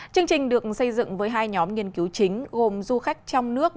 chương trình được xây dựng với hai nhóm nghiên cứu chính gồm du khách trong nước